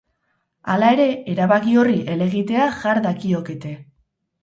Hala ere, erabaki horri helegitea jar dakiokete.